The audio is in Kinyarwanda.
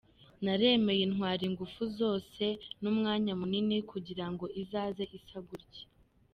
Naremeye intwara ingufu zose n’umwanya munini kugira ngo izaze isa gutya.